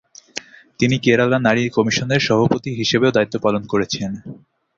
তিনি কেরালা নারী কমিশনের সভাপতি হিসেবেও দায়িত্ব পালন করেছেন।